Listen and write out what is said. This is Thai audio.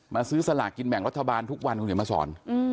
ซื้อสลากกินแบ่งรัฐบาลทุกวันคุณเห็นมาสอน